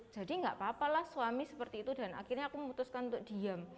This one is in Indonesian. jadi enggak apa apalah suami seperti itu dan akhirnya aku memutuskan untuk diam